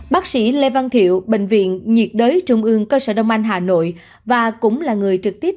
bác sĩ lê văn thiệu bệnh viện nhiệt đới trung ương cơ sở đông anh hà nội và cũng là người trực tiếp